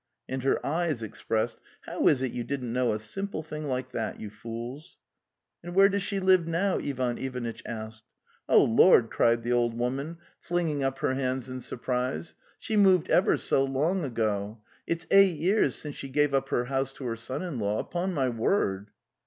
And her eyes expressed: '' How is it you didn't know a simple thing like that, you fools? "'"* And where does she live now?"' Ivan Ivanitch asked. '""Oh, Lord!" cried the old woman, flinging up The Steppe 297 her hands in surprise. '' She moved ever so long ago! It's eight years since she gave up her house to her son in law! Upon my word!"